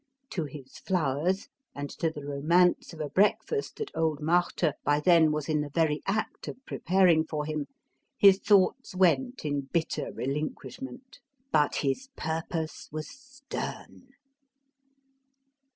To his flowers, and to the romance of a breakfast that old Marthe by then was in the very act of preparing for him, his thoughts went in bitter relinquishment: but his purpose was stern!